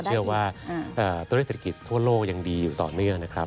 เชื่อว่าตัวเลขเศรษฐกิจทั่วโลกยังดีอยู่ต่อเนื่องนะครับ